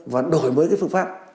và đổi mới cái phương pháp